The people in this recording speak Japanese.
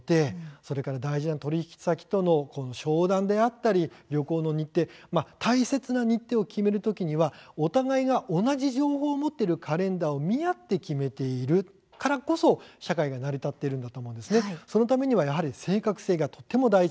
それから大事な取り引き先との商談や旅行の日程、大切な日程を決めるときにはお互いが同じ情報を持っているカレンダーを見合って決めているからこそ社会が成り立っているんだと思いますしそのためにはやはり正確性がとても大事。